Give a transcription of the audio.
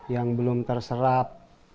yang belum terserap